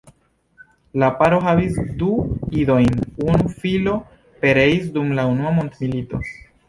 La paro havis du idojn; unu filo pereis dum la unua mondmilito.